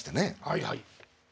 はいはい。